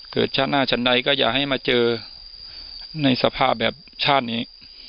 ชาติหน้าชั้นใดก็อย่าให้มาเจอในสภาพแบบชาตินี้